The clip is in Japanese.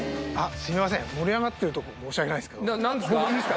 盛り上がってるとこ申し訳ないですけど何ですか？